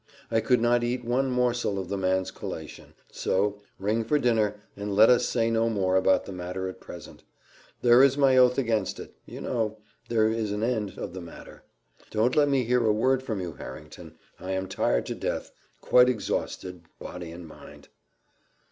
I could not eat one morsel of the man's collation so Ring for dinner, and let us say no more about the matter at present: there is my oath against it, you know there is an end of the matter don't let me hear a word from you, Harrington I am tired to death, quite exhausted, body and mind."